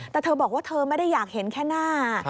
แต่เธอบอกว่าเธอไม่ได้อยากเห็นแค่หน้า